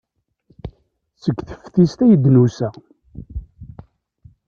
Seg teftist ay d-nusa.